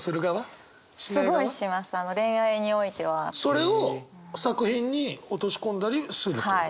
それを作品に落とし込んだりするってこと？